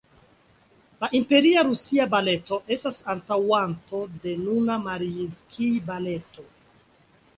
La "Imperia Rusia Baleto" estas antaŭanto de nuna "Mariinskij-Baleto".